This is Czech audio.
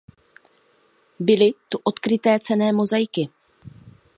Byly tu odkryty cenné mozaiky.